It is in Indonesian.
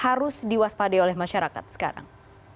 harus diwaspade oleh masyarakat sekarang